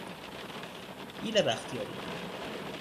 ایل بختیاری